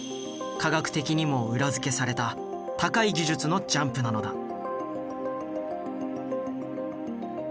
科学的にも裏付けされた高い技術のジャンプなのだ。